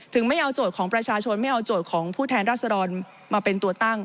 ไม่เอาโจทย์ของประชาชนไม่เอาโจทย์ของผู้แทนราษฎรมาเป็นตัวตั้ง